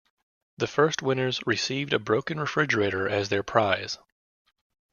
The first winners received a broken refrigerator as their prize.